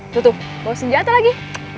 tuh tuh bawa senjata lagi